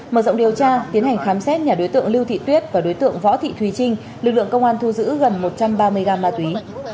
mở rộng điều tra tiến hành khám xét nhà đối tượng lưu thị tuyết và đối tượng võ thị thùy trinh lực lượng công an thu giữ gần một trăm ba mươi gram ma túy